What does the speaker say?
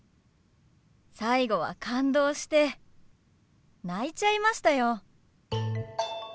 最後は感動して泣いちゃいましたよ。